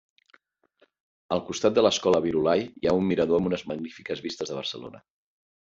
Al costat de l'escola Virolai hi ha un mirador amb unes magnífiques vistes de Barcelona.